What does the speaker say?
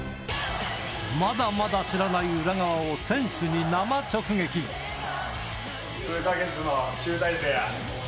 まだまだ知らない裏側を、数か月の集大成や。